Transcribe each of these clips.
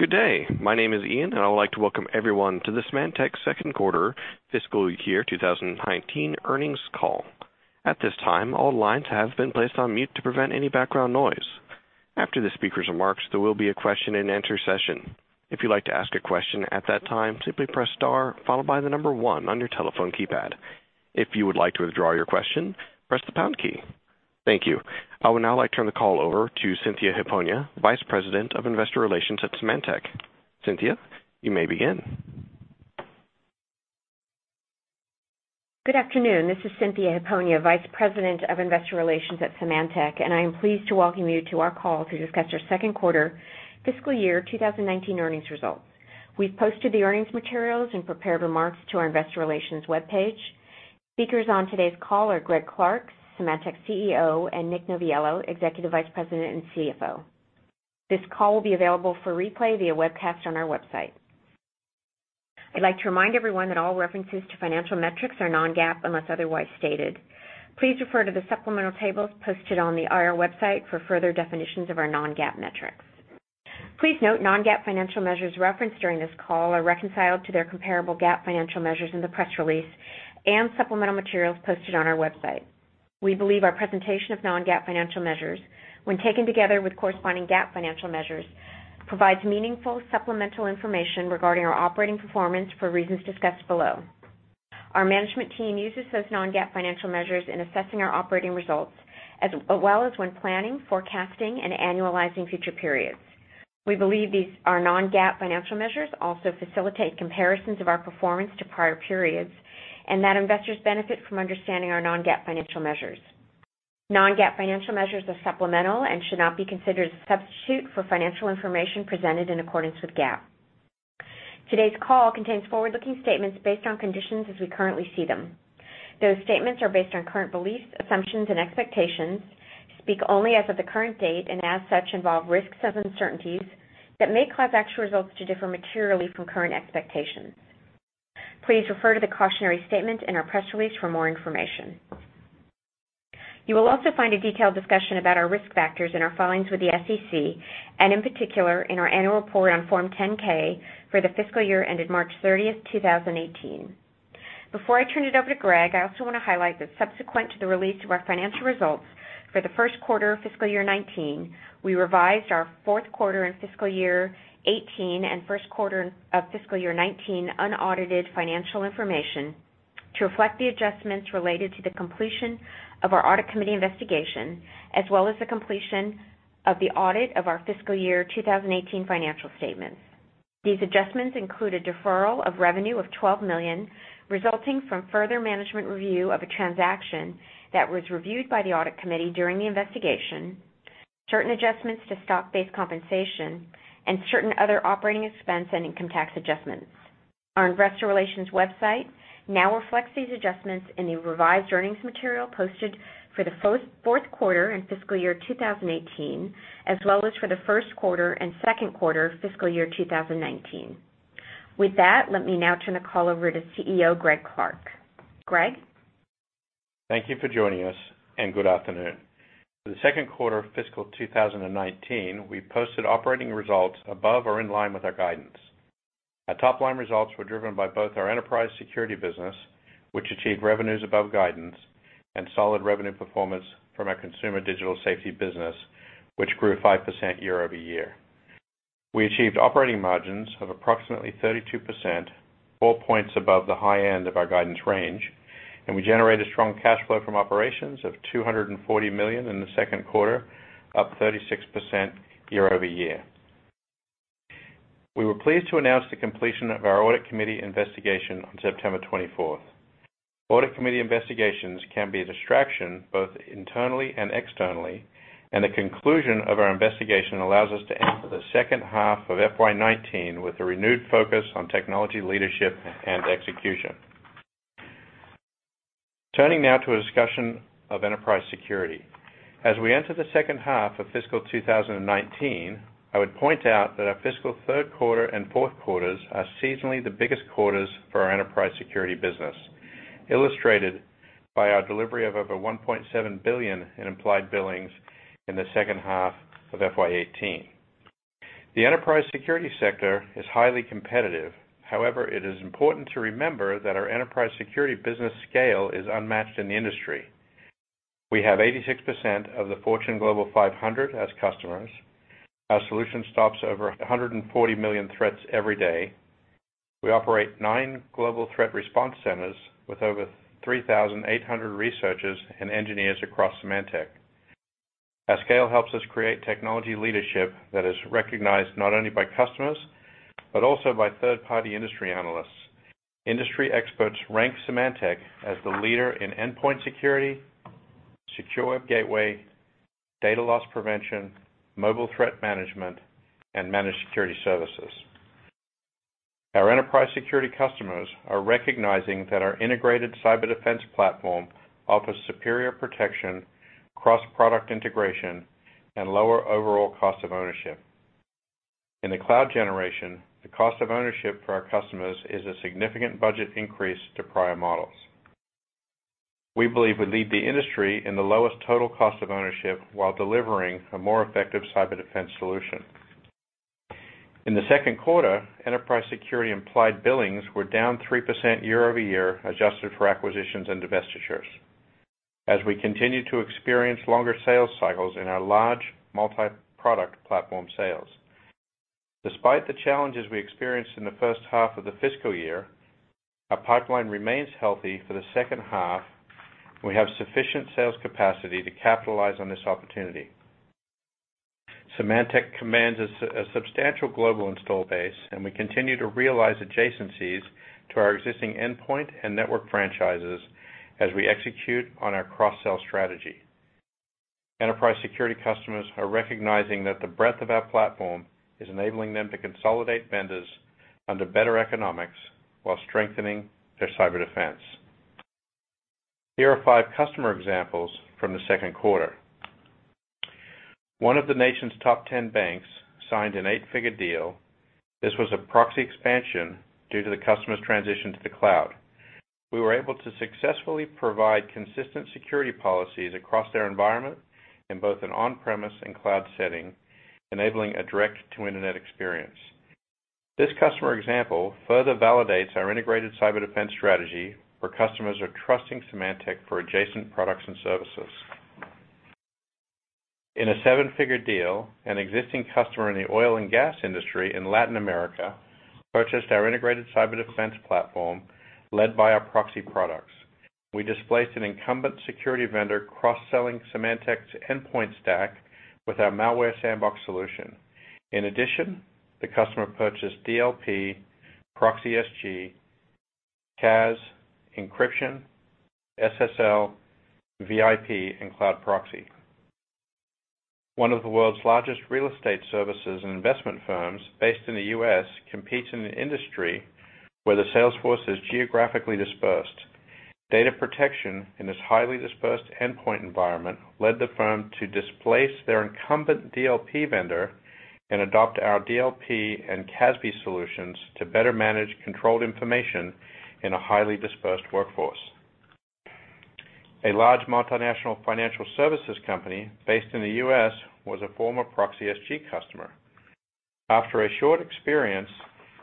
Good day. My name is Ian, and I would like to welcome everyone to the Symantec second quarter fiscal year 2019 earnings call. At this time, all lines have been placed on mute to prevent any background noise. After the speaker's remarks, there will be a question and answer session. If you'd like to ask a question at that time, simply press star followed by the number one on your telephone keypad. If you would like to withdraw your question, press the pound key. Thank you. I would now like to turn the call over to Cynthia Hiponia, Vice President of Investor Relations at Symantec. Cynthia, you may begin. Good afternoon. This is Cynthia Hiponia, Vice President of Investor Relations at Symantec. I am pleased to welcome you to our call to discuss our second quarter fiscal year 2019 earnings results. We've posted the earnings materials and prepared remarks to our investor relations webpage. Speakers on today's call are Greg Clark, Symantec's CEO, and Nick Noviello, Executive Vice President and CFO. This call will be available for replay via webcast on our website. I'd like to remind everyone that all references to financial metrics are non-GAAP unless otherwise stated. Please refer to the supplemental tables posted on the IR website for further definitions of our non-GAAP metrics. Please note non-GAAP financial measures referenced during this call are reconciled to their comparable GAAP financial measures in the press release and supplemental materials posted on our website. We believe our presentation of non-GAAP financial measures, when taken together with corresponding GAAP financial measures, provides meaningful supplemental information regarding our operating performance for reasons discussed below. Our management team uses those non-GAAP financial measures in assessing our operating results, as well as when planning, forecasting, and annualizing future periods. We believe these, our non-GAAP financial measures, also facilitate comparisons of our performance to prior periods, and that investors benefit from understanding our non-GAAP financial measures. Non-GAAP financial measures are supplemental and should not be considered as a substitute for financial information presented in accordance with GAAP. Today's call contains forward-looking statements based on conditions as we currently see them. Those statements are based on current beliefs, assumptions and expectations, speak only as of the current date, and as such, involve risks of uncertainties that may cause actual results to differ materially from current expectations. Please refer to the cautionary statement in our press release for more information. You will also find a detailed discussion about our risk factors in our filings with the SEC, in particular, in our annual report on Form 10-K for the fiscal year ended March 30, 2018. Before I turn it over to Greg, I also want to highlight that subsequent to the release of our financial results for the first quarter of fiscal year 2019, we revised our fourth quarter and fiscal year 2018 and first quarter of fiscal year 2019 unaudited financial information to reflect the adjustments related to the completion of our audit committee investigation, as well as the completion of the audit of our fiscal year 2018 financial statements. These adjustments include a deferral of revenue of $12 million, resulting from further management review of a transaction that was reviewed by the audit committee during the investigation, certain adjustments to stock-based compensation, and certain other operating expense and income tax adjustments. Our investor relations website now reflects these adjustments in the revised earnings material posted for the fourth quarter and fiscal year 2018, as well as for the first quarter and second quarter fiscal year 2019. With that, let me now turn the call over to CEO Greg Clark. Greg? Thank you for joining us. Good afternoon. For the second quarter of fiscal 2019, we posted operating results above or in line with our guidance. Our top-line results were driven by both our enterprise security business, which achieved revenues above guidance, and solid revenue performance from our consumer digital safety business, which grew 5% year-over-year. We achieved operating margins of approximately 32%, four points above the high end of our guidance range, and we generated strong cash flow from operations of $240 million in the second quarter, up 36% year-over-year. We were pleased to announce the completion of our audit committee investigation on September 24th. Audit committee investigations can be a distraction, both internally and externally, and the conclusion of our investigation allows us to enter the second half of FY 2019 with a renewed focus on technology leadership and execution. Turning now to a discussion of enterprise security. As we enter the second half of fiscal 2019, I would point out that our fiscal third quarter and fourth quarters are seasonally the biggest quarters for our enterprise security business, illustrated by our delivery of over $1.7 billion in implied billings in the second half of FY 2018. However, it is important to remember that our enterprise security business scale is unmatched in the industry. We have 86% of the Fortune Global 500 as customers. Our solution stops over 140 million threats every day. We operate nine global threat response centers with over 3,800 researchers and engineers across Symantec. Our scale helps us create technology leadership that is recognized not only by customers, but also by third-party industry analysts. Industry experts rank Symantec as the leader in endpoint security, secure web gateway, data loss prevention, mobile threat management, and managed security services. Our enterprise security customers are recognizing that our Integrated Cyber Defense platform offers superior protection, cross-product integration, and lower overall cost of ownership. In the cloud generation, the cost of ownership for our customers is a significant budget increase to prior models. We believe we lead the industry in the lowest total cost of ownership while delivering a more effective cyber defense solution. In the second quarter, enterprise security implied billings were down 3% year-over-year, adjusted for acquisitions and divestitures, as we continue to experience longer sales cycles in our large multi-product platform sales. Despite the challenges we experienced in the first half of the fiscal year, our pipeline remains healthy for the second half. We have sufficient sales capacity to capitalize on this opportunity. Symantec commands a substantial global install base, and we continue to realize adjacencies to our existing endpoint and network franchises as we execute on our cross-sell strategy. Enterprise security customers are recognizing that the breadth of our platform is enabling them to consolidate vendors under better economics while strengthening their cyber defense. Here are five customer examples from the second quarter. One of the nation's top 10 banks signed an eight-figure deal. This was a proxy expansion due to the customer's transition to the cloud. We were able to successfully provide consistent security policies across their environment in both an on-premise and cloud setting, enabling a direct-to-internet experience. This customer example further validates our Integrated Cyber Defense strategy, where customers are trusting Symantec for adjacent products and services. In a seven-figure deal, an existing customer in the oil and gas industry in Latin America purchased our Integrated Cyber Defense platform led by our proxy products. We displaced an incumbent security vendor cross-selling Symantec's endpoint stack with our malware sandbox solution. In addition, the customer purchased DLP, ProxySG, CAS, encryption, SSL, VIP, and cloud proxy. One of the world's largest real estate services and investment firms based in the U.S. competes in an industry where the sales force is geographically dispersed. Data protection in this highly dispersed endpoint environment led the firm to displace their incumbent DLP vendor and adopt our DLP and CASB solutions to better manage controlled information in a highly dispersed workforce. A large multinational financial services company based in the U.S. was a former ProxySG customer. After a short experience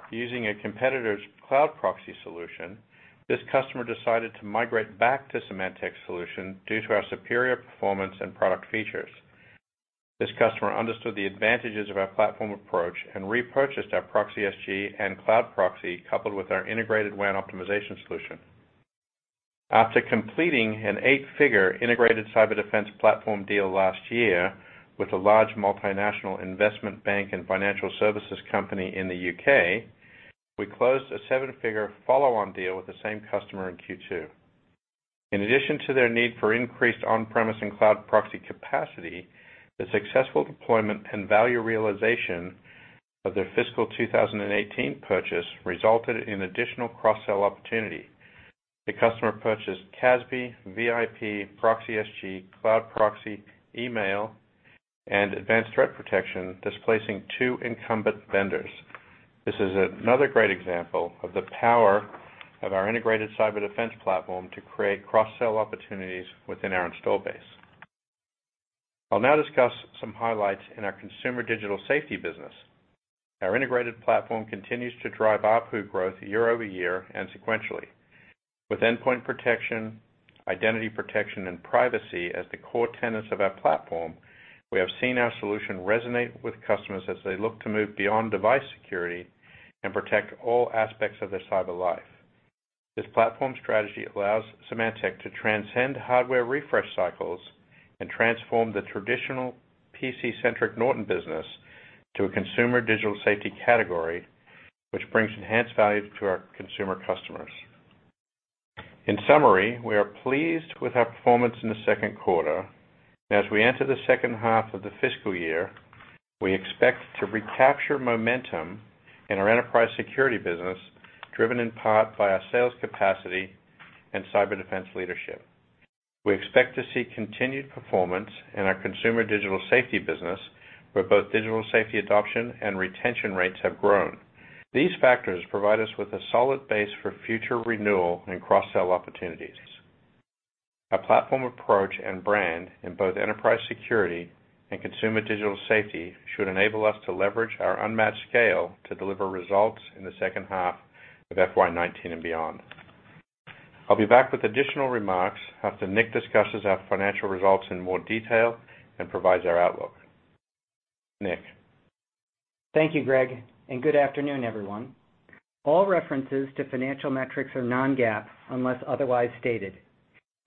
using a competitor's cloud proxy solution, this customer decided to migrate back to Symantec's solution due to our superior performance and product features. This customer understood the advantages of our platform approach and repurchased our ProxySG and cloud proxy, coupled with our integrated WAN optimization solution. After completing an eight-figure Integrated Cyber Defense platform deal last year with a large multinational investment bank and financial services company in the U.K., we closed a seven-figure follow-on deal with the same customer in Q2. In addition to their need for increased on-premise and cloud proxy capacity, the successful deployment and value realization of their fiscal 2018 purchase resulted in additional cross-sell opportunity. The customer purchased CASB, VIP, ProxySG, cloud proxy, email, and Advanced Threat Protection, displacing two incumbent vendors. This is another great example of the power of our Integrated Cyber Defense platform to create cross-sell opportunities within our install base. I'll now discuss some highlights in our consumer digital safety business. Our integrated platform continues to drive ARPU growth year-over-year and sequentially. With endpoint protection, identity protection, and privacy as the core tenets of our platform, we have seen our solution resonate with customers as they look to move beyond device security and protect all aspects of their cyber life. This platform strategy allows Symantec to transcend hardware refresh cycles and transform the traditional PC-centric Norton business to a consumer digital safety category, which brings enhanced value to our consumer customers. In summary, we are pleased with our performance in the second quarter. As we enter the second half of the fiscal year, we expect to recapture momentum in our enterprise security business, driven in part by our sales capacity and cyber defense leadership. We expect to see continued performance in our consumer digital safety business, where both digital safety adoption and retention rates have grown. These factors provide us with a solid base for future renewal and cross-sell opportunities. Our platform approach and brand in both enterprise security and consumer digital safety should enable us to leverage our unmatched scale to deliver results in the second half of FY 2019 and beyond. I'll be back with additional remarks after Nick discusses our financial results in more detail and provides our outlook. Nick. Thank you, Greg, and good afternoon, everyone. All references to financial metrics are non-GAAP unless otherwise stated.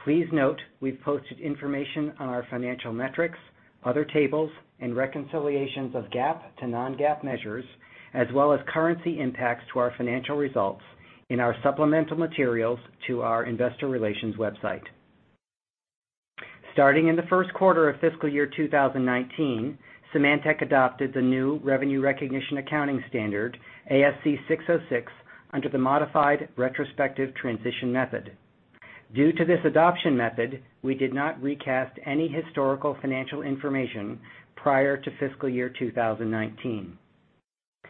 Please note we've posted information on our financial metrics, other tables, and reconciliations of GAAP to non-GAAP measures, as well as currency impacts to our financial results in our supplemental materials to our investor relations website. Starting in the first quarter of fiscal year 2019, Symantec adopted the new revenue recognition accounting standard, ASC 606, under the modified retrospective transition method. Due to this adoption method, we did not recast any historical financial information prior to fiscal year 2019.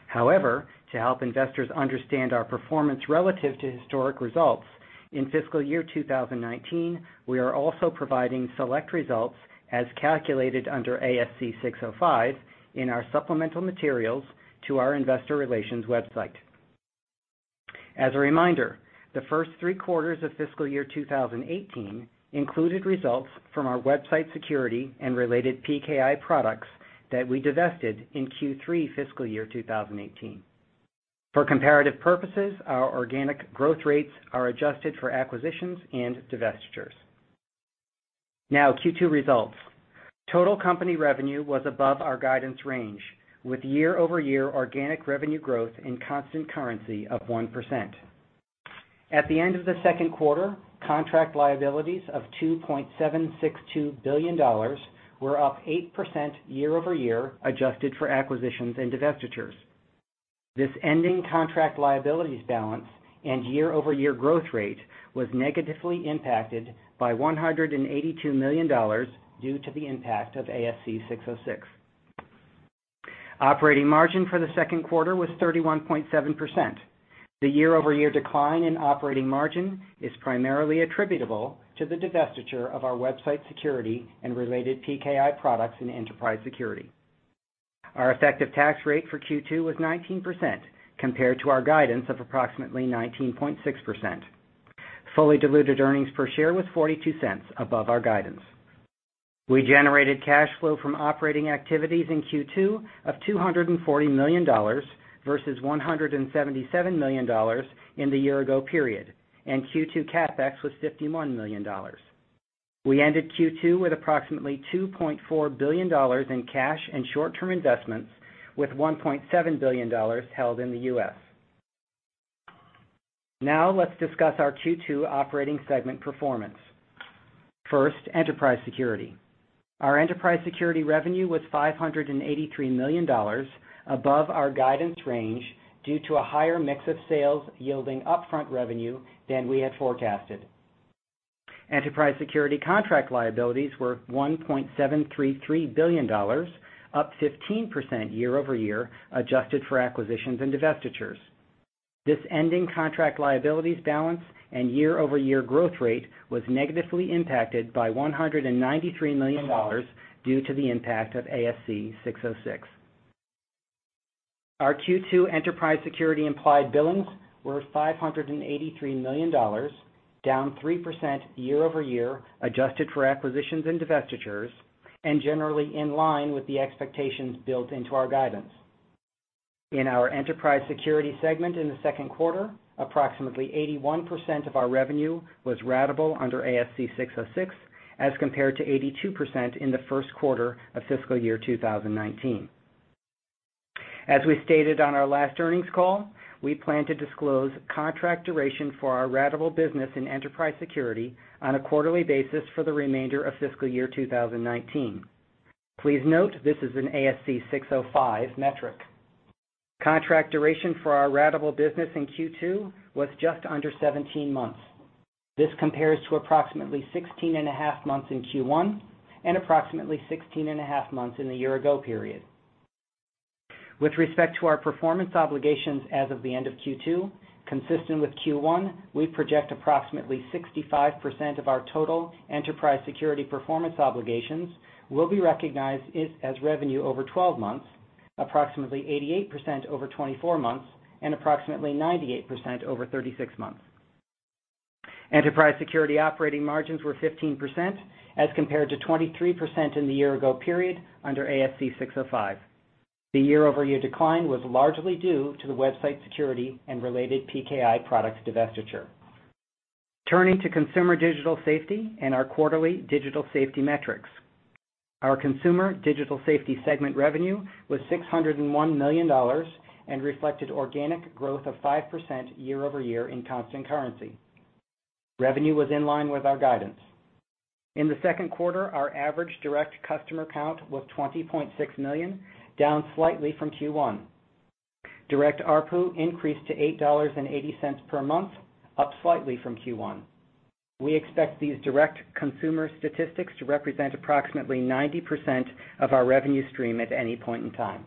However, to help investors understand our performance relative to historic results, in fiscal year 2019, we are also providing select results as calculated under ASC 605 in our supplemental materials to our investor relations website. As a reminder, the first three quarters of fiscal year 2018 included results from our website security and related PKI products that we divested in Q3 fiscal year 2018. For comparative purposes, our organic growth rates are adjusted for acquisitions and divestitures. Now, Q2 results. Total company revenue was above our guidance range, with year-over-year organic revenue growth in constant currency of 1%. At the end of the second quarter, contract liabilities of $2.762 billion were up 8% year-over-year, adjusted for acquisitions and divestitures. This ending contract liabilities balance and year-over-year growth rate was negatively impacted by $182 million due to the impact of ASC 606. Operating margin for the second quarter was 31.7%. The year-over-year decline in operating margin is primarily attributable to the divestiture of our website security and related PKI products in enterprise security. Our effective tax rate for Q2 was 19%, compared to our guidance of approximately 19.6%. Fully diluted earnings per share was $0.42 above our guidance. We generated cash flow from operating activities in Q2 of $240 million versus $177 million in the year ago period, and Q2 CapEx was $51 million. We ended Q2 with approximately $2.4 billion in cash and short-term investments, with $1.7 billion held in the U.S. Now, let's discuss our Q2 operating segment performance. First, enterprise security. Our enterprise security revenue was $583 million, above our guidance range due to a higher mix of sales yielding upfront revenue than we had forecasted. Enterprise security contract liabilities were $1.733 billion, up 15% year-over-year, adjusted for acquisitions and divestitures. This ending contract liabilities balance and year-over-year growth rate was negatively impacted by $193 million due to the impact of ASC 606. Our Q2 Enterprise Security implied billings were $583 million, down 3% year-over-year, adjusted for acquisitions and divestitures, and generally in line with the expectations built into our guidance. In our Enterprise Security segment in the second quarter, approximately 81% of our revenue was ratable under ASC 606, as compared to 82% in the first quarter of fiscal year 2019. As we stated on our last earnings call, we plan to disclose contract duration for our ratable business in Enterprise Security on a quarterly basis for the remainder of fiscal year 2019. Please note, this is an ASC 605 metric. Contract duration for our ratable business in Q2 was just under 17 months. This compares to approximately 16 and a half months in Q1, and approximately 16 and a half months in the year-ago period. With respect to our performance obligations as of the end of Q2, consistent with Q1, we project approximately 65% of our total Enterprise Security performance obligations will be recognized as revenue over 12 months, approximately 88% over 24 months, and approximately 98% over 36 months. Enterprise Security operating margins were 15%, as compared to 23% in the year-ago period under ASC 605. The year-over-year decline was largely due to the website security and related PKI products divestiture. Turning to Consumer Digital Safety and our quarterly digital safety metrics. Our Consumer Digital Safety segment revenue was $601 million and reflected organic growth of 5% year-over-year in constant currency. Revenue was in line with our guidance. In the second quarter, our average direct customer count was 20.6 million, down slightly from Q1. Direct ARPU increased to $8.80 per month, up slightly from Q1. We expect these direct consumer statistics to represent approximately 90% of our revenue stream at any point in time.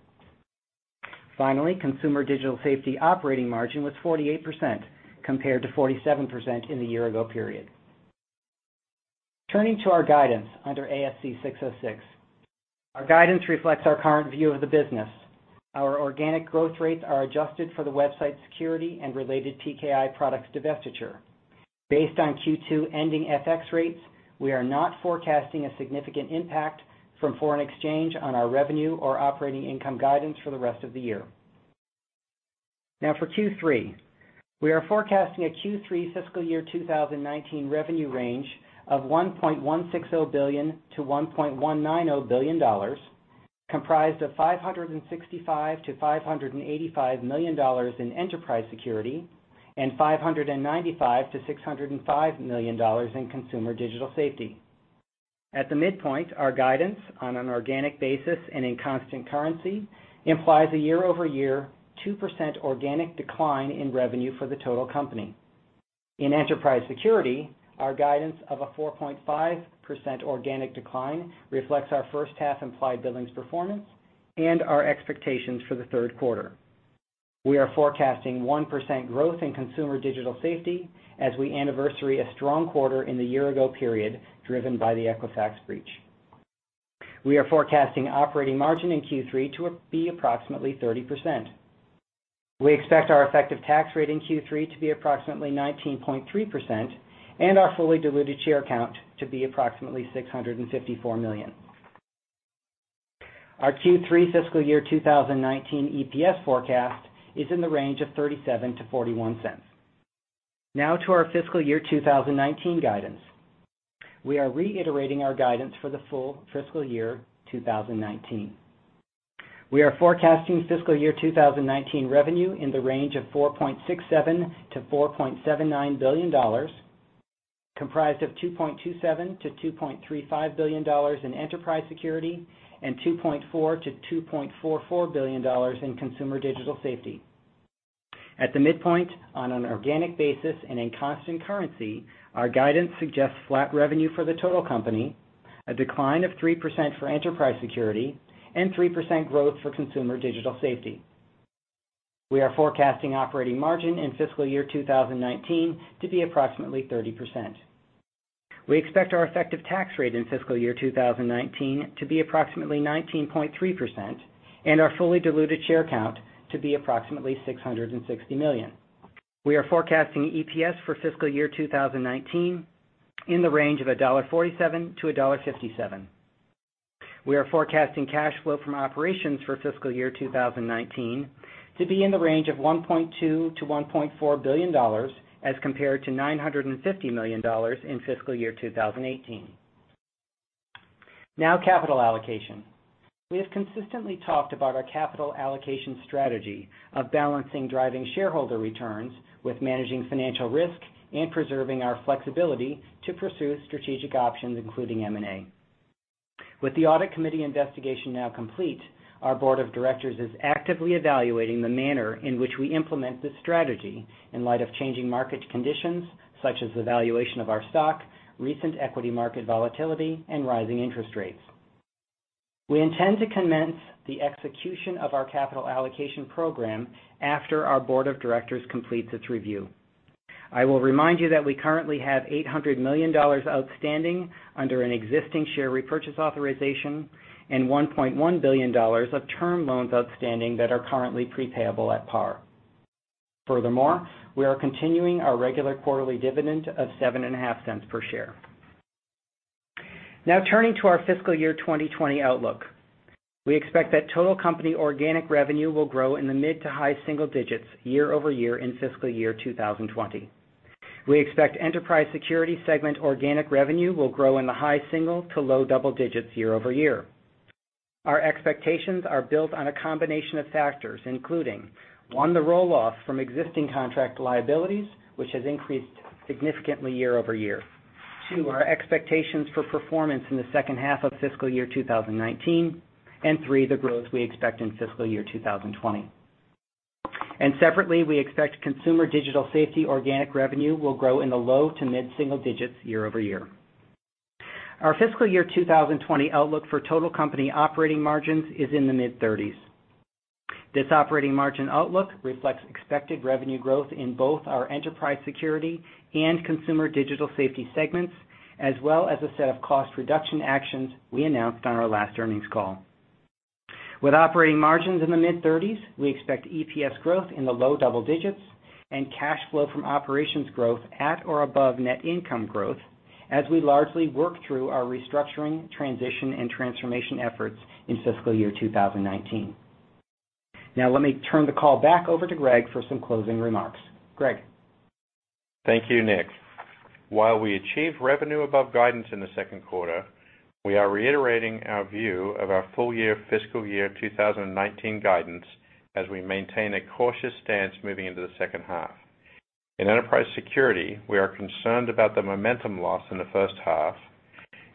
Finally, Consumer Digital Safety operating margin was 48%, compared to 47% in the year-ago period. Turning to our guidance under ASC 606. Our guidance reflects our current view of the business. Our organic growth rates are adjusted for the website security and related PKI products divestiture. Based on Q2 ending FX rates, we are not forecasting a significant impact from foreign exchange on our revenue or operating income guidance for the rest of the year. For Q3, we are forecasting a Q3 fiscal year 2019 revenue range of $1.160 billion to $1.190 billion, comprised of $565 million to $585 million in Enterprise Security and $595 million to $605 million in Consumer Digital Safety. At the midpoint, our guidance on an organic basis and in constant currency implies a year-over-year 2% organic decline in revenue for the total company. In Enterprise Security, our guidance of a 4.5% organic decline reflects our first half implied billings performance and our expectations for the third quarter. We are forecasting 1% growth in Consumer Digital Safety as we anniversary a strong quarter in the year-ago period, driven by the Equifax breach. We are forecasting operating margin in Q3 to be approximately 30%. We expect our effective tax rate in Q3 to be approximately 19.3%, and our fully diluted share count to be approximately 654 million. Our Q3 fiscal year 2019 EPS forecast is in the range of $0.37 to $0.41. To our fiscal year 2019 guidance, we are reiterating our guidance for the full fiscal year 2019. We are forecasting fiscal year 2019 revenue in the range of $4.67 billion-$4.79 billion, comprised of $2.27 billion-$2.35 billion in Enterprise Security and $2.4 billion-$2.44 billion in Consumer Digital Safety. At the midpoint, on an organic basis and in constant currency, our guidance suggests flat revenue for the total company, a decline of 3% for Enterprise Security, and 3% growth for Consumer Digital Safety. We are forecasting operating margin in fiscal year 2019 to be approximately 30%. We expect our effective tax rate in fiscal year 2019 to be approximately 19.3%, and our fully diluted share count to be approximately 660 million. We are forecasting EPS for fiscal year 2019 in the range of $1.47-$1.57. We are forecasting cash flow from operations for fiscal year 2019 to be in the range of $1.2 billion-$1.4 billion, as compared to $950 million in fiscal year 2018. Capital allocation. We have consistently talked about our capital allocation strategy of balancing driving shareholder returns with managing financial risk and preserving our flexibility to pursue strategic options, including M&A. With the audit committee investigation now complete, our board of directors is actively evaluating the manner in which we implement this strategy in light of changing market conditions, such as the valuation of our stock, recent equity market volatility, and rising interest rates. We intend to commence the execution of our capital allocation program after our board of directors completes its review. I will remind you that we currently have $800 million outstanding under an existing share repurchase authorization and $1.1 billion of term loans outstanding that are currently prepayable at par. Furthermore, we are continuing our regular quarterly dividend of $0.075 per share. Now turning to our fiscal year 2020 outlook. We expect that total company organic revenue will grow in the mid to high single digits year-over-year in fiscal year 2020. We expect Enterprise Security segment organic revenue will grow in the high single to low double digits year-over-year. Our expectations are built on a combination of factors, including, one, the roll-off from existing contract liabilities, which has increased significantly year-over-year. Two, our expectations for performance in the second half of fiscal year 2019. Three, the growth we expect in fiscal year 2020. Separately, we expect Consumer Digital Safety organic revenue will grow in the low to mid-single digits year-over-year. Our fiscal year 2020 outlook for total company operating margins is in the mid-30s. This operating margin outlook reflects expected revenue growth in both our Enterprise Security and Consumer Digital Safety segments, as well as a set of cost reduction actions we announced on our last earnings call. With operating margins in the mid-30s, we expect EPS growth in the low double digits and cash flow from operations growth at or above net income growth as we largely work through our restructuring, transition, and transformation efforts in fiscal year 2019. Let me turn the call back over to Greg for some closing remarks. Greg? Thank you, Nick. While we achieved revenue above guidance in the second quarter, we are reiterating our view of our full-year fiscal year 2019 guidance as we maintain a cautious stance moving into the second half. In Enterprise Security, we are concerned about the momentum loss in the first half,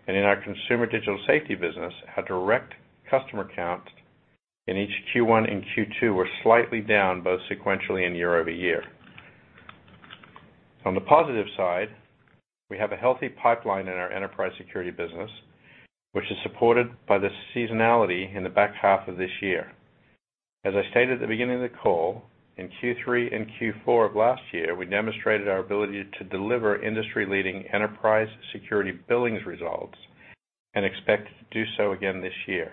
and in our Consumer Digital Safety business, our direct customer count in each Q1 and Q2 were slightly down both sequentially and year-over-year. On the positive side, we have a healthy pipeline in our Enterprise Security business, which is supported by the seasonality in the back half of this year. As I stated at the beginning of the call, in Q3 and Q4 of last year, we demonstrated our ability to deliver industry-leading Enterprise Security billings results and expect to do so again this year.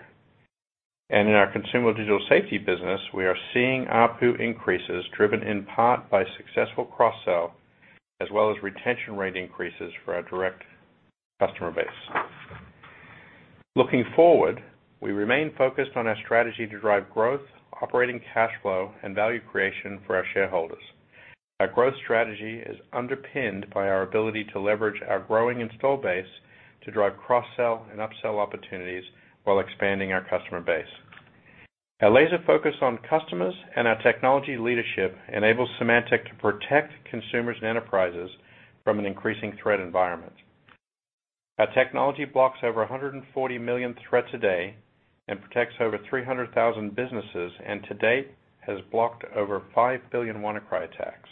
In our Consumer Digital Safety business, we are seeing ARPU increases driven in part by successful cross-sell as well as retention rate increases for our direct customer base. Looking forward, we remain focused on our strategy to drive growth, operating cash flow, and value creation for our shareholders. Our growth strategy is underpinned by our ability to leverage our growing install base to drive cross-sell and upsell opportunities while expanding our customer base. Our laser focus on customers and our technology leadership enables Symantec to protect consumers and enterprises from an increasing threat environment. Our technology blocks over 140 million threats a day and protects over 300,000 businesses, and to date, has blocked over 5 billion WannaCry attacks.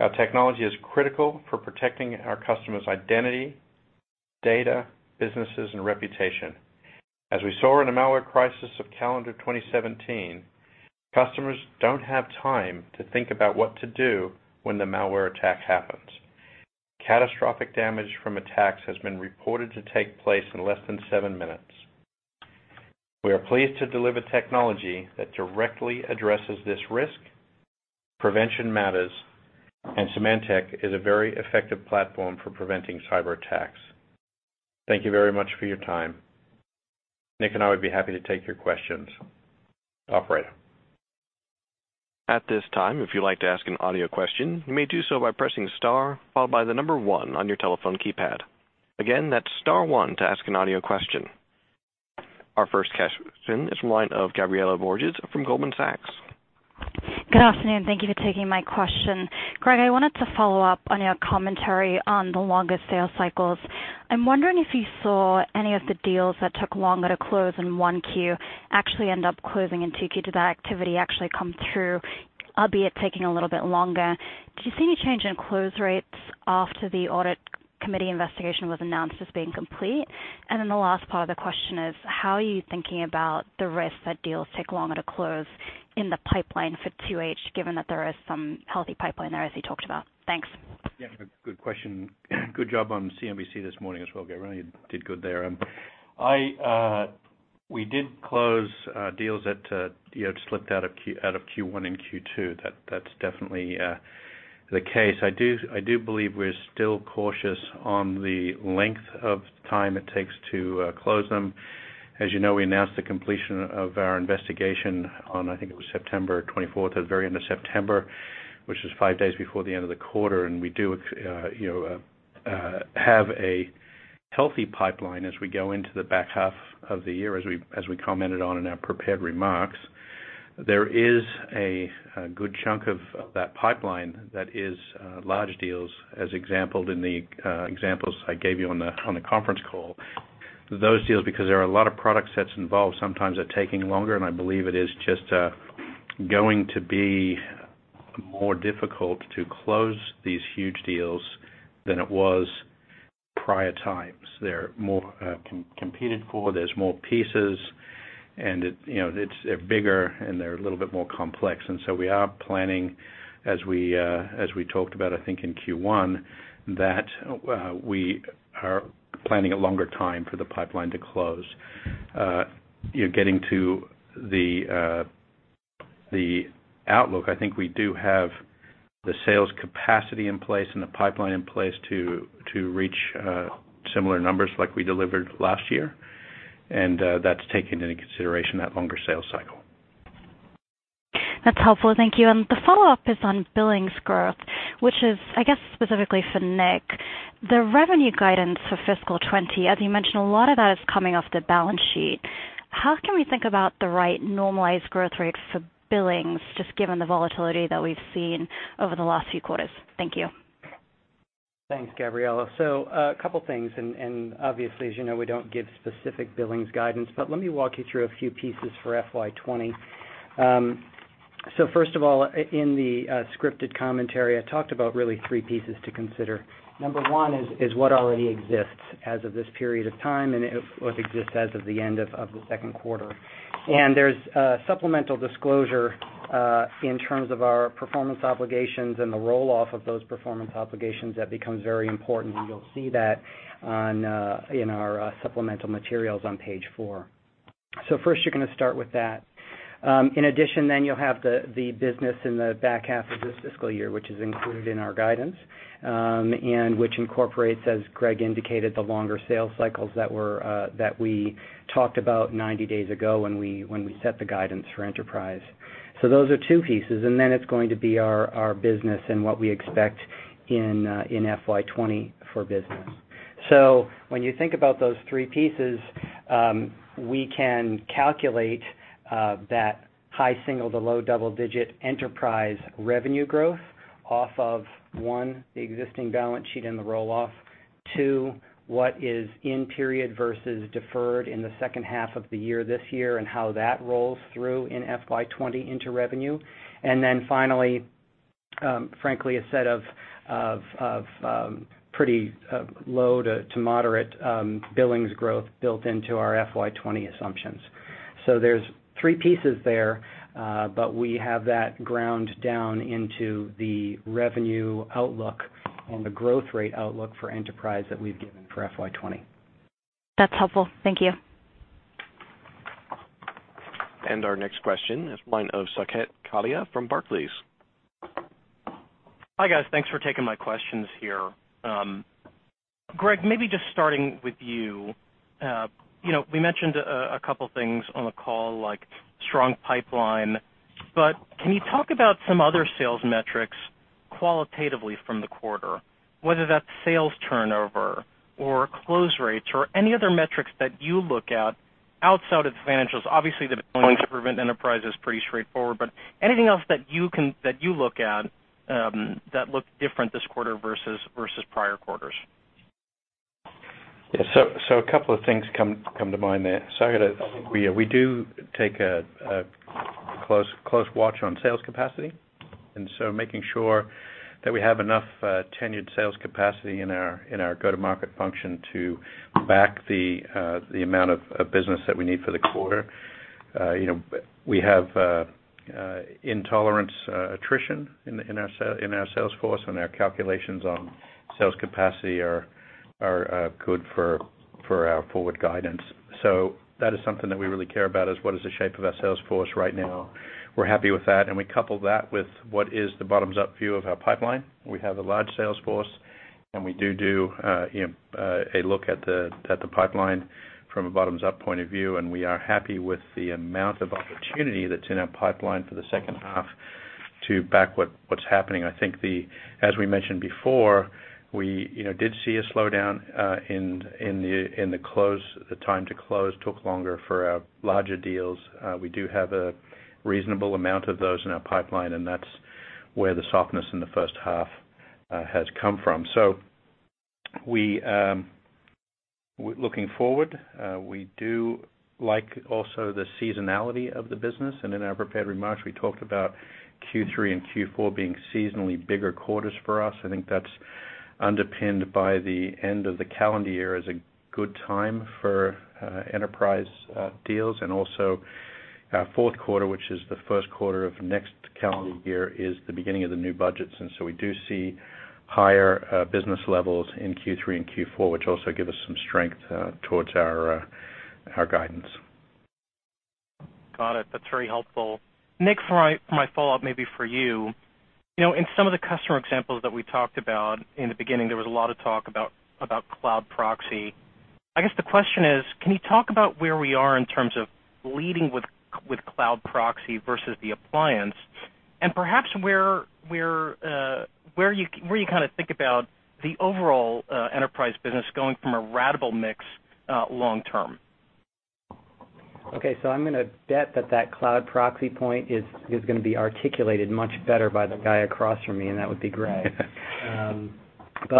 Our technology is critical for protecting our customers' identity, data, businesses, and reputation. As we saw in the malware crisis of calendar 2017, customers don't have time to think about what to do when the malware attack happens. Catastrophic damage from attacks has been reported to take place in less than seven minutes. We are pleased to deliver technology that directly addresses this risk. Prevention matters, and Symantec is a very effective platform for preventing cyberattacks. Thank you very much for your time. Nick and I would be happy to take your questions. Operator? At this time, if you'd like to ask an audio question, you may do so by pressing star, followed by the number one on your telephone keypad. Again, that's star one to ask an audio question. Our first question is from the line of Gabriela Borges from Goldman Sachs. Good afternoon. Thank you for taking my question. Greg, I wanted to follow up on your commentary on the longest sale cycles. I'm wondering if you saw any of the deals that took longer to close in 1Q actually end up closing in Q2. Did that activity actually come through, albeit taking a little bit longer? Did you see any change in close rates after the audit committee investigation was announced as being complete? The last part of the question is, how are you thinking about the risk that deals take longer to close in the pipeline for 2H, given that there is some healthy pipeline there, as you talked about? Thanks. Yeah, good question. Good job on CNBC this morning as well, Gabriela. You did good there. We did close deals that slipped out of Q1 and Q2. That's definitely the case. I do believe we're still cautious on the length of time it takes to close them. As you know, we announced the completion of our investigation on, I think it was September 24th, or the very end of September, which was five days before the end of the quarter. We do have a healthy pipeline as we go into the back half of the year, as we commented on in our prepared remarks. There is a good chunk of that pipeline that is large deals, as exampled in the examples I gave you on the conference call. Those deals, because there are a lot of product sets involved, sometimes are taking longer, and I believe it is just going to be more difficult to close these huge deals than it was prior times. They're more competed for, there's more pieces, and they're bigger, and they're a little bit more complex. We are planning, as we talked about, I think, in Q1, that we are planning a longer time for the pipeline to close. Getting to the outlook, I think we do have the sales capacity in place and the pipeline in place to reach similar numbers like we delivered last year, and that's taking into consideration that longer sales cycle. That's helpful. Thank you. The follow-up is on billings growth, which is, I guess, specifically for Nick. The revenue guidance for fiscal 2020, as you mentioned, a lot of that is coming off the balance sheet. How can we think about the right normalized growth rate for billings, just given the volatility that we've seen over the last few quarters? Thank you. Thanks, Gabriela. A couple things, obviously, as you know, we don't give specific billings guidance, but let me walk you through a few pieces for FY 2020. First of all, in the scripted commentary, I talked about really three pieces to consider. Number one is what already exists as of this period of time and what exists as of the end of the second quarter. There's supplemental disclosure, in terms of our performance obligations and the roll-off of those performance obligations, that becomes very important, and you'll see that in our supplemental materials on Page four. First, you're going to start with that. In addition then, you'll have the business in the back half of this fiscal year, which is included in our guidance, and which incorporates, as Greg indicated, the longer sales cycles that we talked about 90 days ago when we set the guidance for enterprise. Those are two pieces, and then it's going to be our business and what we expect in FY 2020 for business. When you think about those three pieces, we can calculate that high single to low double-digit enterprise revenue growth off of, one, the existing balance sheet and the roll-off. Two, what is in period versus deferred in the second half of the year this year, and how that rolls through in FY 2020 into revenue. Then finally, frankly, a set of pretty low to moderate billings growth built into our FY 2020 assumptions. There's three pieces there, but we have that ground down into the revenue outlook and the growth rate outlook for enterprise that we've given for FY 2020. That's helpful. Thank you. Our next question is from the line of Saket Kalia from Barclays. Hi, guys. Thanks for taking my questions here. Greg, maybe just starting with you. We mentioned a couple things on the call, like strong pipeline, can you talk about some other sales metrics qualitatively from the quarter, whether that's sales turnover or close rates or any other metrics that you look at. Outside of the financials, obviously the enterprise is pretty straightforward, but anything else that you look at that looked different this quarter versus prior quarters? Yes. A couple of things come to mind there, Saket. I think we do take a close watch on sales capacity, and so making sure that we have enough tenured sales capacity in our go-to-market function to back the amount of business that we need for the quarter. We have intolerance attrition in our sales force, and our calculations on sales capacity are good for our forward guidance. That is something that we really care about, is what is the shape of our sales force right now? We're happy with that, and we couple that with what is the bottoms-up view of our pipeline. We have a large sales force, and we do a look at the pipeline from a bottoms-up point of view, and we are happy with the amount of opportunity that's in our pipeline for the second half to back what's happening. I think as we mentioned before, we did see a slowdown in the time to close, took longer for our larger deals. We do have a reasonable amount of those in our pipeline, and that's where the softness in the first half has come from. Looking forward, we do like also the seasonality of the business, and in our prepared remarks, we talked about Q3 and Q4 being seasonally bigger quarters for us. I think that's underpinned by the end of the calendar year as a good time for enterprise deals. Also our fourth quarter, which is the first quarter of next calendar year, is the beginning of the new budgets. We do see higher business levels in Q3 and Q4, which also give us some strength towards our guidance. Got it. That's very helpful. Nick, for my follow-up, maybe for you. In some of the customer examples that we talked about in the beginning, there was a lot of talk about cloud proxy. I guess the question is, can you talk about where we are in terms of leading with cloud proxy versus the appliance, and perhaps where you think about the overall enterprise business going from a ratable mix long term? I'm going to bet that that cloud proxy point is going to be articulated much better by the guy across from me, and that would be Greg.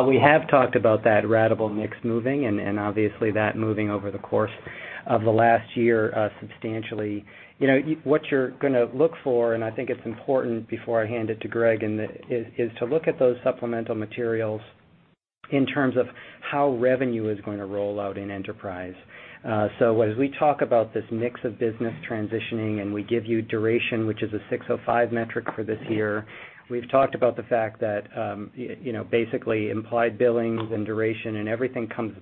We have talked about that ratable mix moving and obviously that moving over the course of the last year substantially. What you're going to look for, and I think it's important before I hand it to Greg, is to look at those supplemental materials in terms of how revenue is going to roll out in Enterprise. As we talk about this mix of business transitioning, and we give you duration, which is an ASC 605 metric for this year, we've talked about the fact that basically implied billings and duration and everything comes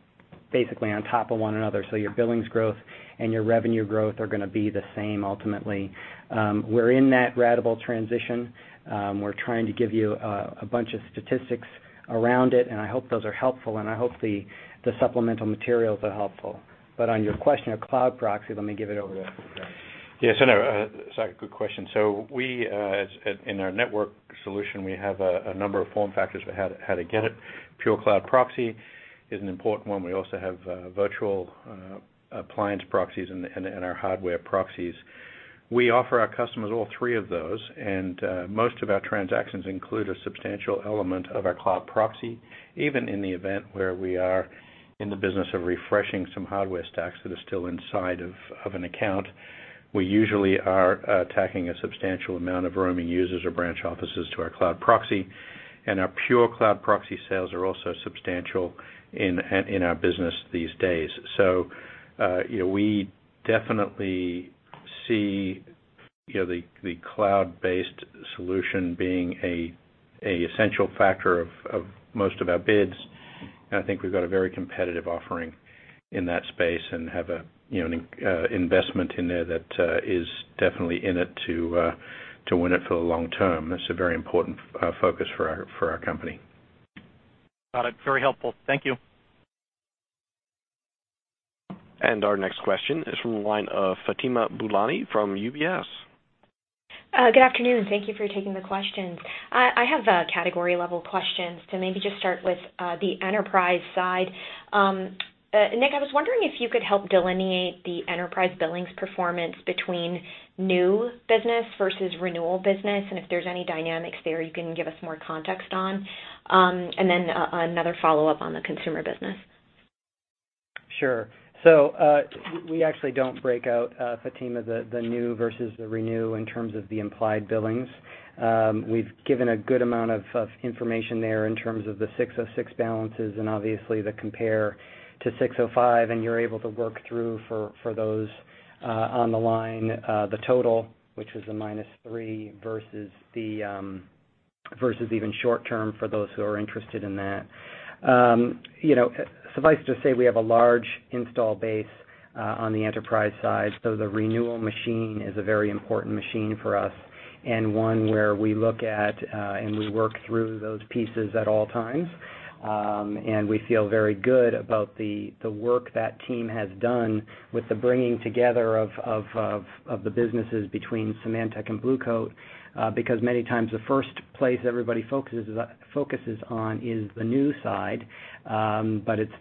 basically on top of one another. Your billings growth and your revenue growth are going to be the same ultimately. We're in that ratable transition. We're trying to give you a bunch of statistics around it, and I hope those are helpful, and I hope the supplemental materials are helpful. On your question of cloud proxy, let me give it over to Greg. Yes, Saket, good question. In our network solution, we have a number of form factors for how to get it. Pure cloud proxy is an important one. We also have virtual appliance proxies and our hardware proxies. We offer our customers all three of those, and most of our transactions include a substantial element of our cloud proxy. Even in the event where we are in the business of refreshing some hardware stacks that are still inside of an account, we usually are attacking a substantial amount of roaming users or branch offices to our cloud proxy, and our pure cloud proxy sales are also substantial in our business these days. We definitely see the cloud-based solution being an essential factor of most of our bids, and I think we've got a very competitive offering in that space and have an investment in there that is definitely in it to win it for the long term. That's a very important focus for our company. Got it. Very helpful. Thank you. Our next question is from the line of Fatima Boolani from UBS. Good afternoon. Thank you for taking the questions. I have a category-level question to maybe just start with the enterprise side. Nick, I was wondering if you could help delineate the enterprise billings performance between new business versus renewal business, and if there's any dynamics there you can give us more context on. Then another follow-up on the consumer business. Sure. We actually don't break out, Fatima, the new versus the renew in terms of the implied billings. We've given a good amount of information there in terms of the ASC 606 balances and obviously the compare to ASC 605, and you're able to work through for those on the line, the total, which is a minus three versus even short term for those who are interested in that. Suffice to say, we have a large install base on the enterprise side. The renewal machine is a very important machine for us and one where we look at and we work through those pieces at all times. We feel very good about the work that team has done with the bringing together of the businesses between Symantec and Blue Coat, because many times the first place everybody focuses on is the new side. It's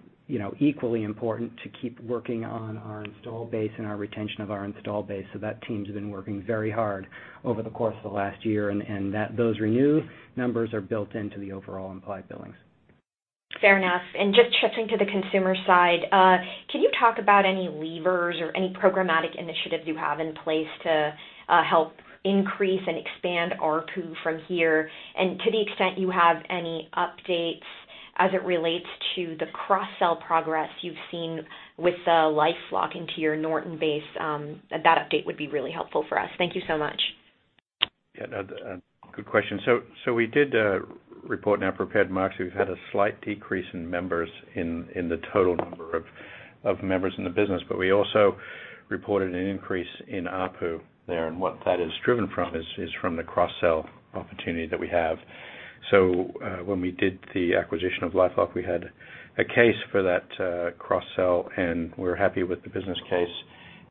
equally important to keep working on our install base and our retention of our install base. That team's been working very hard over the course of the last year, and those renew numbers are built into the overall implied billings. Fair enough. Just shifting to the consumer side, can you talk about any levers or any programmatic initiatives you have in place to help increase and expand ARPU from here? To the extent you have any updates as it relates to the cross-sell progress you've seen with the LifeLock into your Norton base, that update would be really helpful for us. Thank you so much. Yeah. Good question. We did report in our prepared remarks, we've had a slight decrease in members in the total number of members in the business. We also reported an increase in ARPU there, and what that is driven from is from the cross-sell opportunity that we have. When we did the acquisition of LifeLock, we had a case for that cross-sell, and we're happy with the business case,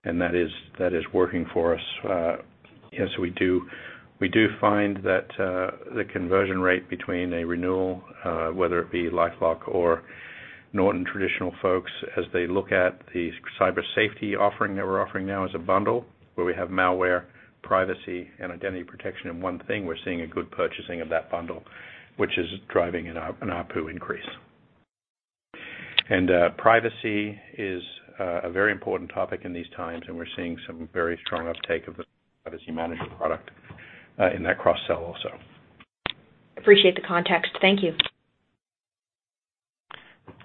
and that is working for us. Yes, we do find that the conversion rate between a renewal, whether it be LifeLock or Norton traditional folks, as they look at the cyber safety offering that we're offering now as a bundle, where we have malware, privacy, and identity protection in one thing, we're seeing a good purchasing of that bundle, which is driving an ARPU increase. Privacy is a very important topic in these times, we're seeing some very strong uptake of the privacy management product in that cross-sell also. Appreciate the context. Thank you.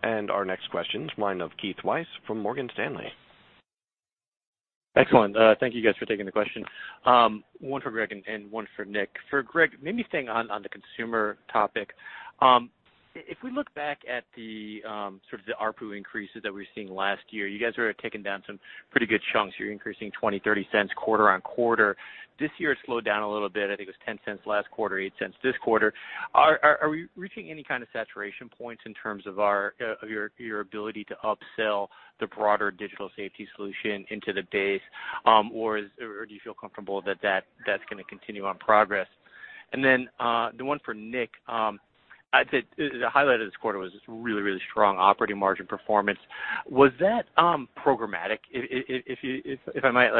Our next question is from the line of Keith Weiss from Morgan Stanley. Excellent. Thank you guys for taking the question. One for Greg and one for Nick. For Greg, maybe staying on the consumer topic. If we look back at the sort of the ARPU increases that we were seeing last year, you guys were taking down some pretty good chunks. You were increasing $0.20, $0.30 quarter-on-quarter. This year it's slowed down a little bit. I think it was $0.10 last quarter, $0.08 this quarter. Are we reaching any kind of saturation points in terms of your ability to upsell the broader digital safety solution into the base? Or do you feel comfortable that that's going to continue on progress? Then, the one for Nick, the highlight of this quarter was this really, really strong operating margin performance. Was that programmatic? If I might,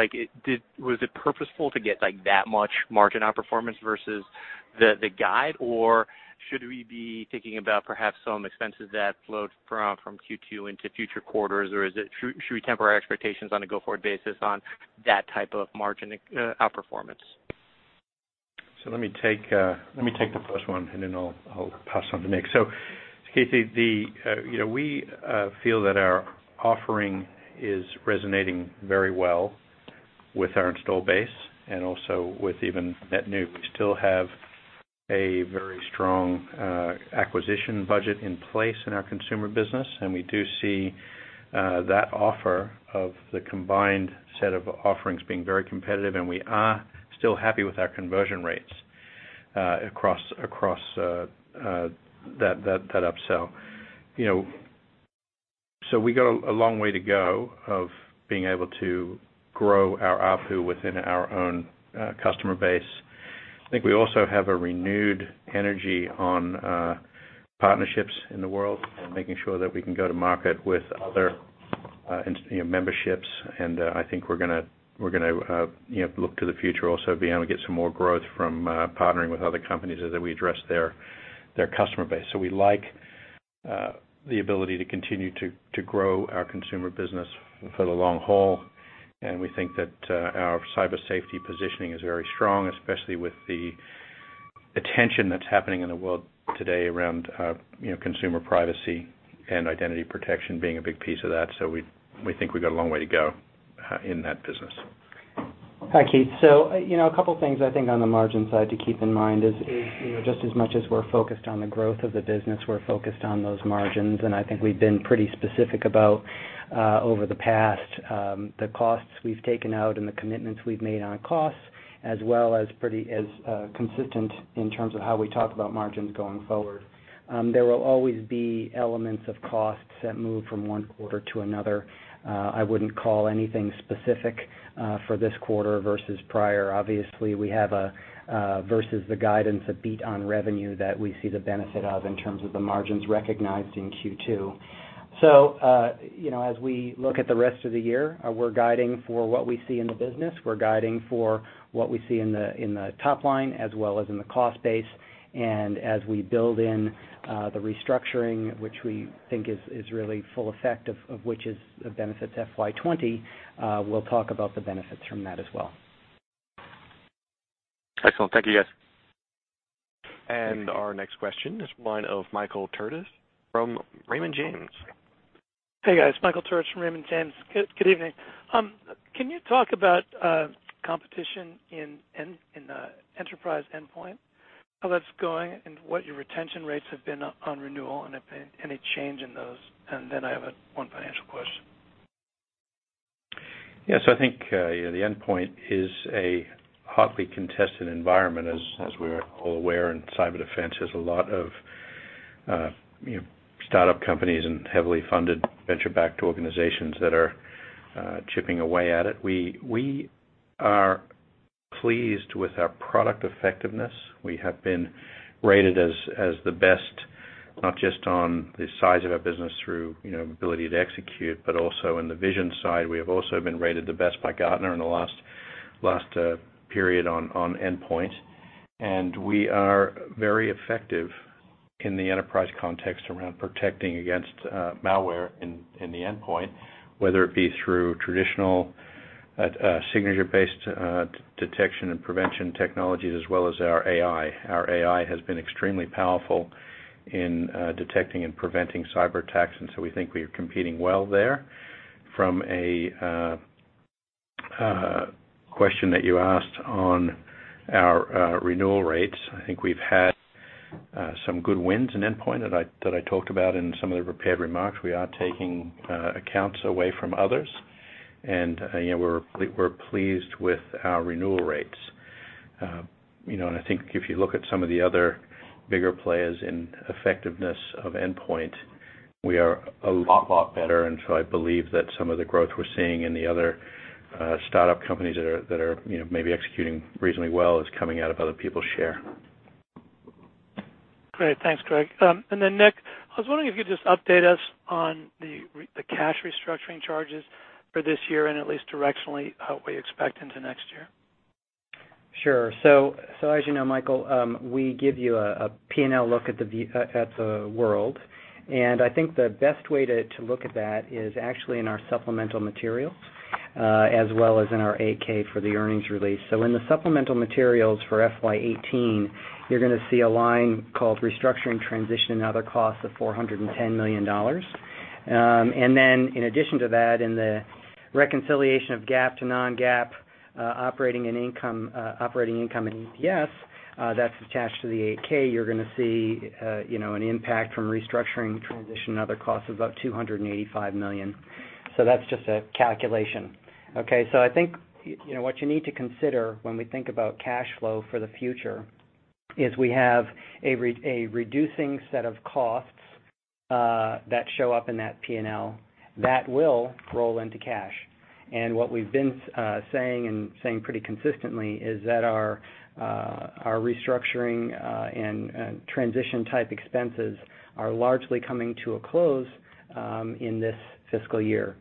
was it purposeful to get that much margin outperformance versus the guide, or should we be thinking about perhaps some expenses that flowed from Q2 into future quarters, or should we temper our expectations on a go-forward basis on that type of margin outperformance? Let me take the first one. I'll pass on to Nick. Keith, we feel that our offering is resonating very well with our install base and also with even net new. We still have a very strong acquisition budget in place in our consumer business. We do see that offer of the combined set of offerings being very competitive. We are still happy with our conversion rates across that upsell. We got a long way to go of being able to grow our ARPU within our own customer base. I think we also have a renewed energy on partnerships in the world and making sure that we can go to market with other memberships. I think we're going to look to the future also be able to get some more growth from partnering with other companies as we address their customer base. We like the ability to continue to grow our consumer business for the long haul. We think that our cyber safety positioning is very strong, especially with the attention that's happening in the world today around consumer privacy and identity protection being a big piece of that. We think we've got a long way to go in that business. Hi, Keith. A couple of things I think on the margin side to keep in mind is, just as much as we're focused on the growth of the business, we're focused on those margins. I think we've been pretty specific about, over the past, the costs we've taken out and the commitments we've made on costs, as well as pretty consistent in terms of how we talk about margins going forward. There will always be elements of costs that move from one quarter to another. I wouldn't call anything specific for this quarter versus prior. Obviously, we have versus the guidance a beat on revenue that we see the benefit of in terms of the margins recognized in Q2. As we look at the rest of the year, we're guiding for what we see in the business, we're guiding for what we see in the top line as well as in the cost base. As we build in the restructuring, which we think is really full effect of which is the benefits FY 2020, we'll talk about the benefits from that as well. Excellent. Thank you, guys. Our next question is from the line of Michael Turits from Raymond James. Hey, guys. Michael Turits from Raymond James. Good evening. Can you talk about competition in the enterprise endpoint, how that's going, and what your retention rates have been on renewal, and any change in those? Then I have one financial question. Yeah. I think the endpoint is a hotly contested environment, as we're all aware, and cyber defense has a lot of startup companies and heavily funded venture-backed organizations that are chipping away at it. We are pleased with our product effectiveness. We have been rated as the best, not just on the size of our business through ability to execute, but also in the vision side. We have also been rated the best by Gartner in the last period on endpoint. We are very effective in the enterprise context around protecting against malware in the endpoint, whether it be through traditional signature-based detection and prevention technologies as well as our AI. Our AI has been extremely powerful in detecting and preventing cyber attacks. We think we are competing well there. From a question that you asked on our renewal rates, I think we've had some good wins in endpoint that I talked about in some of the prepared remarks. We are taking accounts away from others, and we're pleased with our renewal rates. I think if you look at some of the other bigger players in effectiveness of endpoint, we are a lot better. I believe that some of the growth we're seeing in the other startup companies that are maybe executing reasonably well is coming out of other people's share. Great. Thanks, Greg. Nick, I was wondering if you'd just update us on the cash restructuring charges for this year and at least directionally what we expect into next year. Sure. As you know, Michael, we give you a P&L look at the world. I think the best way to look at that is actually in our supplemental materials, as well as in our 8-K for the earnings release. In the supplemental materials for FY 2018, you're going to see a line called Restructuring, Transition and Other Costs of $410 million. In addition to that, in the reconciliation of GAAP to non-GAAP operating income, and EPS, that's attached to the 8-K, you're going to see an impact from restructuring, transition and other costs of about $285 million. That's just a calculation. I think what you need to consider when we think about cash flow for the future is we have a reducing set of costs that show up in that P&L that will roll into cash. What we've been saying, and saying pretty consistently, is that our restructuring and transition-type expenses are largely coming to a close in this fiscal year,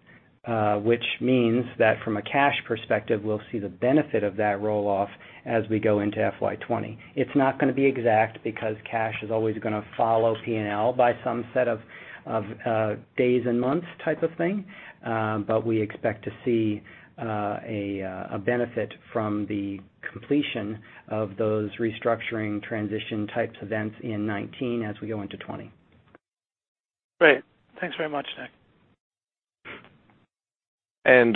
which means that from a cash perspective, we'll see the benefit of that roll-off as we go into FY 2020. It's not going to be exact because cash is always going to follow P&L by some set of days and months type of thing. We expect to see a benefit from the completion of those restructuring transition-type events in 2019 as we go into 2020. Great. Thanks very much, Nick.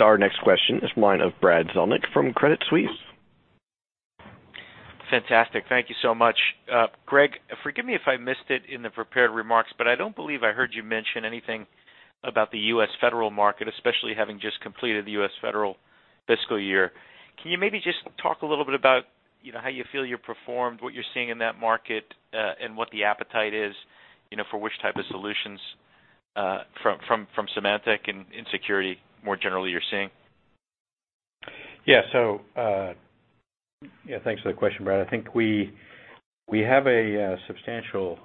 Our next question is the line of Brad Zelnick from Credit Suisse. Fantastic. Thank you so much. Greg, forgive me if I missed it in the prepared remarks, but I don't believe I heard you mention anything about the U.S. federal market, especially having just completed the U.S. federal fiscal year. Can you maybe just talk a little bit about how you feel you performed, what you're seeing in that market, and what the appetite is for which type of solutions from Symantec and in security more generally you're seeing? Thanks for the question, Brad Zelnick. I think we have a substantial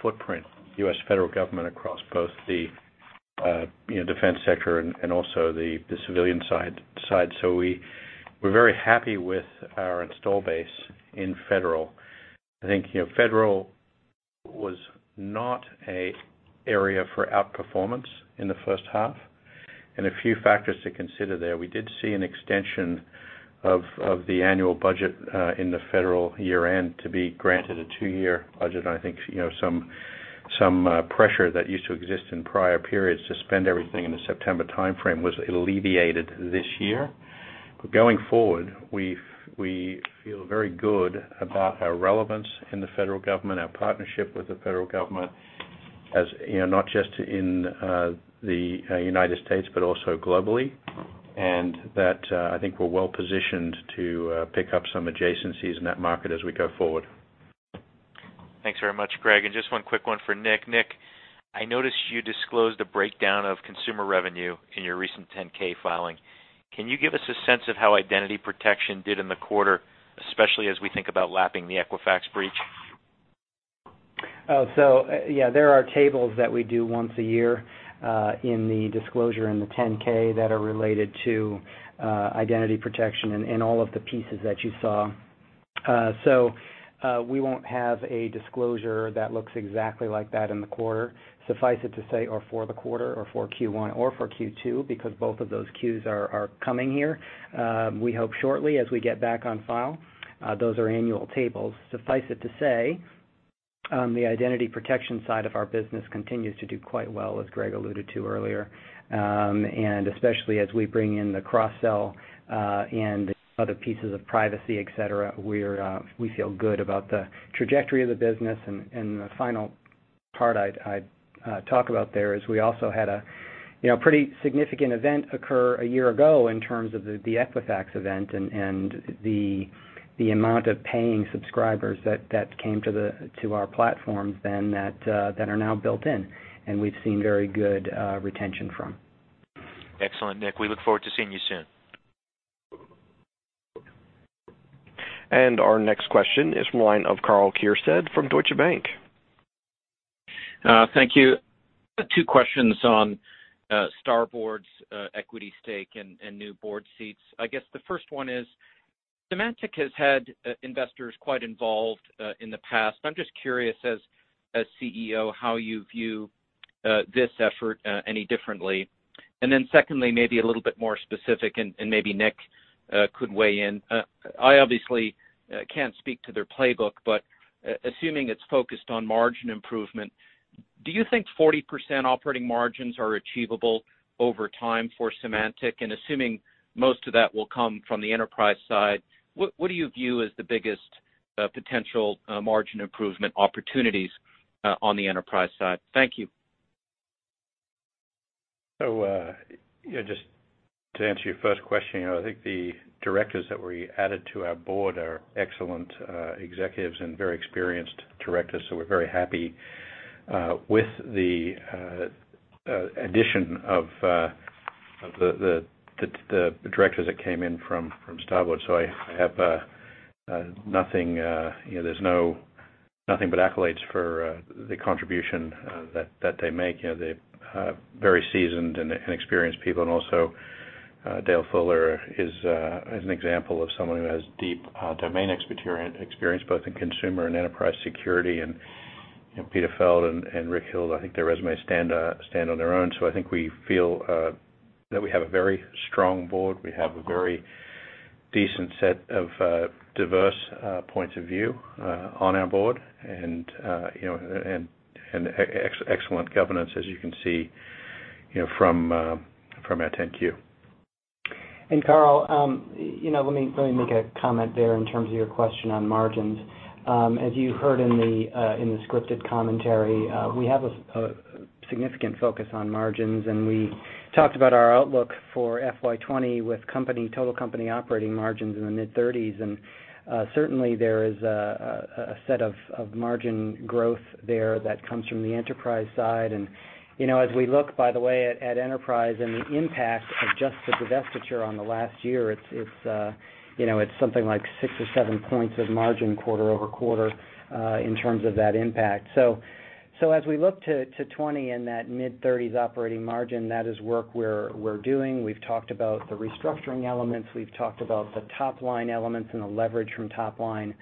footprint, U.S. federal government across both the defense sector and also the civilian side. We're very happy with our install base in federal. I think federal was not an area for outperformance in the first half. A few factors to consider there. We did see an extension of the annual budget in the federal year-end to be granted a two-year budget. I think some pressure that used to exist in prior periods to spend everything in the September timeframe was alleviated this year. Going forward, we feel very good about our relevance in the federal government, our partnership with the federal government, not just in the U.S., but also globally, and that I think we're well-positioned to pick up some adjacencies in that market as we go forward. Thanks very much, Greg Clark. Just one quick one for Nick Noviello. Nick Noviello, I noticed you disclosed a breakdown of consumer revenue in your recent 10-K filing. Can you give us a sense of how identity protection did in the quarter, especially as we think about lapping the Equifax breach? There are tables that we do once a year in the disclosure in the 10-K that are related to identity protection and all of the pieces that you saw. We won't have a disclosure that looks exactly like that in the quarter, suffice it to say, or for the quarter or for Q1 or for Q2, because both of those Qs are coming here. We hope shortly as we get back on file. Those are annual tables. Suffice it to say, the identity protection side of our business continues to do quite well, as Greg Clark alluded to earlier. Especially as we bring in the cross-sell and other pieces of privacy, et cetera, we feel good about the trajectory of the business. The final part I'd talk about there is we also had a pretty significant event occur a year ago in terms of the Equifax event and the amount of paying subscribers that came to our platforms then that are now built in, and we've seen very good retention from. Excellent, Nick. We look forward to seeing you soon. Our next question is from the line of Karl Keirstead from Deutsche Bank. Thank you. Two questions on Starboard's equity stake and new board seats. I guess the first one is, Symantec has had investors quite involved in the past. I'm just curious, as CEO, how you view this effort any differently. Secondly, maybe a little bit more specific, and maybe Nick could weigh in. I obviously can't speak to their playbook, but assuming it's focused on margin improvement, do you think 40% operating margins are achievable over time for Symantec? Assuming most of that will come from the enterprise side, what do you view as the biggest potential margin improvement opportunities on the enterprise side? Thank you. Just to answer your first question, I think the directors that were added to our board are excellent executives and very experienced directors, we're very happy with the addition of the directors that came in from Starboard. I have nothing but accolades for the contribution that they make. They're very seasoned and experienced people, also Dale Fuller is an example of someone who has deep domain experience, both in consumer and enterprise security. Peter Feld and Rick Hill, I think their resumes stand on their own. I think we feel that we have a very strong board. We have a very decent set of diverse points of view on our board and excellent governance, as you can see from our 10-Q. Karl, let me make a comment there in terms of your question on margins. As you heard in the scripted commentary, we have a significant focus on margins, we talked about our outlook for FY 2020 with total company operating margins in the mid-30s. Certainly, there is a set of margin growth there that comes from the enterprise side. As we look, by the way, at enterprise and the impact of just the divestiture on the last year, it's something like six or seven points of margin quarter-over-quarter in terms of that impact. As we look to 2020 and that mid-30s operating margin, that is work we're doing. We've talked about the restructuring elements, we've talked about the top-line elements and the leverage from top-line.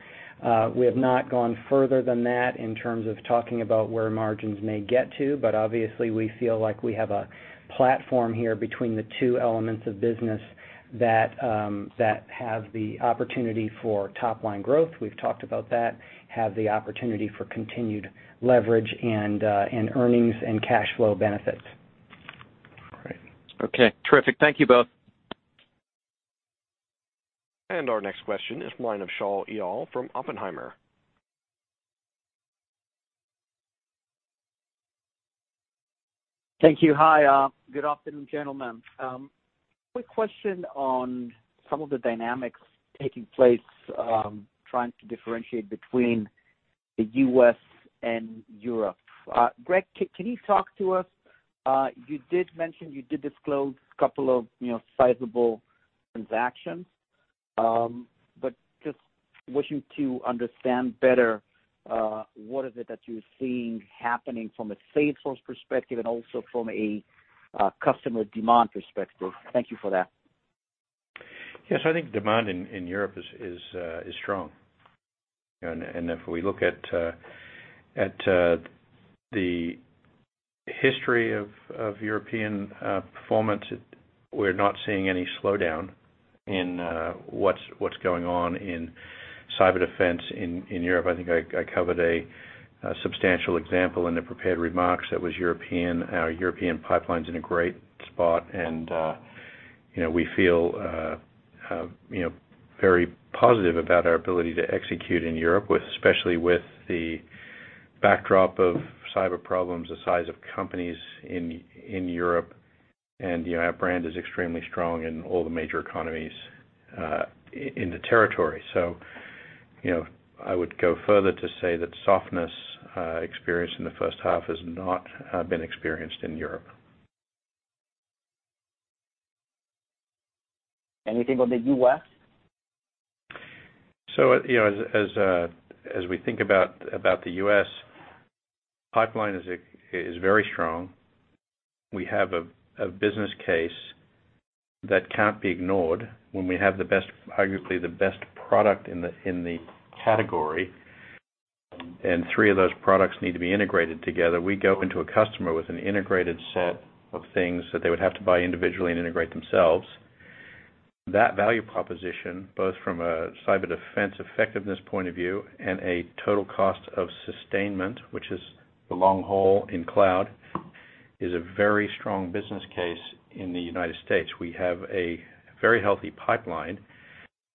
We have not gone further than that in terms of talking about where margins may get to, obviously, we feel like we have a platform here between the two elements of business that have the opportunity for top-line growth, we've talked about that, have the opportunity for continued leverage and earnings and cash flow benefits. Great. Okay, terrific. Thank you both. Our next question is line of Shaul Eyal from Oppenheimer. Thank you. Hi, good afternoon, gentlemen. Quick question on some of the dynamics taking place, trying to differentiate between the U.S. and Europe. Greg, can you talk to us, you did mention you did disclose a couple of sizable transactions, but just wishing to understand better, what is it that you're seeing happening from a sales force perspective and also from a customer demand perspective. Thank you for that. Yes, I think demand in Europe is strong. If we look at the history of European performance, we're not seeing any slowdown in what's going on in cyber defense in Europe. I think I covered a substantial example in the prepared remarks, that was European. Our European pipeline's in a great spot, and we feel very positive about our ability to execute in Europe, especially with the backdrop of cyber problems, the size of companies in Europe. Our brand is extremely strong in all the major economies in the territory. I would go further to say that softness experienced in the first half has not been experienced in Europe. Anything on the U.S.? As we think about the U.S., pipeline is very strong. We have a business case that can't be ignored when we have arguably the best product in the category, and three of those products need to be integrated together. We go into a customer with an integrated set of things that they would have to buy individually and integrate themselves. That value proposition, both from a cyber defense effectiveness point of view and a total cost of sustainment, which is the long haul in cloud, is a very strong business case in the United States. We have a very healthy pipeline,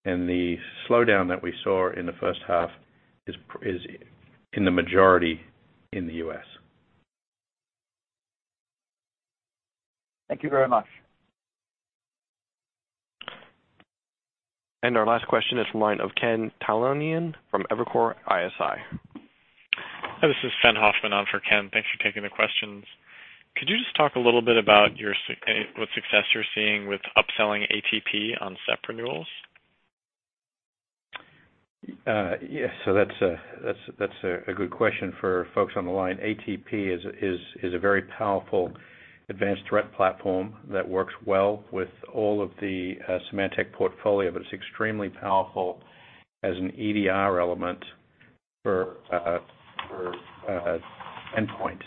the slowdown that we saw in the first half is in the majority in the U.S. Thank you very much. Our last question is from the line of Ken Talanian from Evercore ISI. Hi, this is Fenn Hoffman on for Ken. Thanks for taking the questions. Could you just talk a little bit about what success you're seeing with upselling ATP on SEP renewals? Yes. That's a good question for folks on the line. ATP is a very powerful advanced threat platform that works well with all of the Symantec portfolio, but it's extremely powerful as an EDR element for endpoint.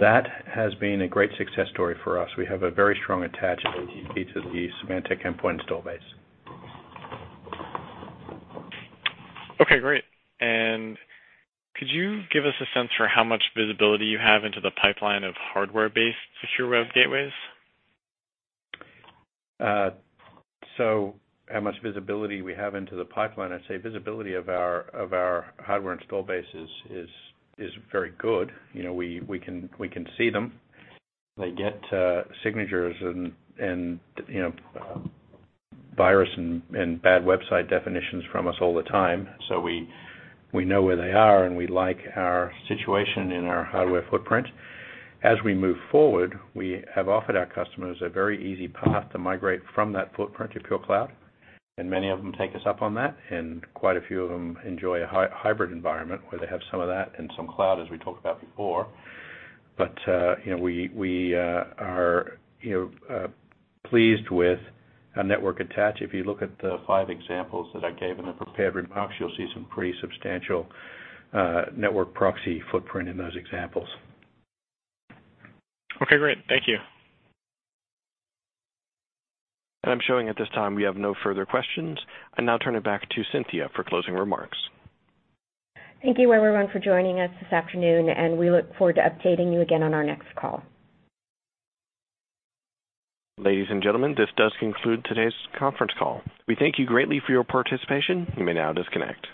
That has been a great success story for us. We have a very strong attach of ATP to the Symantec endpoint install base. Okay, great. Could you give us a sense for how much visibility you have into the pipeline of hardware-based Secure Web Gateways? How much visibility we have into the pipeline? I'd say visibility of our hardware install base is very good. We can see them. They get signatures and virus and bad website definitions from us all the time. We know where they are, and we like our situation and our hardware footprint. As we move forward, we have offered our customers a very easy path to migrate from that footprint to pure cloud, and many of them take us up on that, and quite a few of them enjoy a hybrid environment where they have some of that and some cloud, as we talked about before. We are pleased with our network attach. If you look at the five examples that I gave in the prepared remarks, you'll see some pretty substantial network proxy footprint in those examples. Okay, great. Thank you. I'm showing at this time we have no further questions. I now turn it back to Cynthia for closing remarks. Thank you, everyone, for joining us this afternoon, and we look forward to updating you again on our next call. Ladies and gentlemen, this does conclude today's conference call. We thank you greatly for your participation. You may now disconnect.